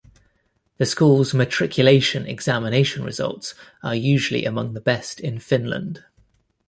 The school's matriculation examination results are usually among the best in Finland.